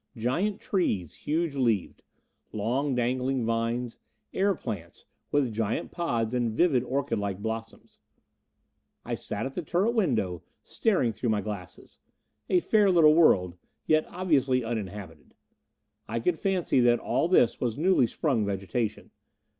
Giant trees, huge leaved. Long dangling vines; air plants, with giant pods and vivid orchidlike blossoms. I sat at the turret window, staring through my glasses. A fair little world, yet obviously uninhabited. I could fancy that all this was newly sprung vegetation.